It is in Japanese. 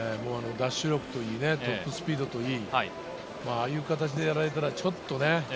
ダッシュ力、トップスピードといい、ああいう形でやられたら、ちょっとね。